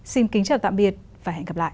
xin kính chào tạm biệt và hẹn gặp lại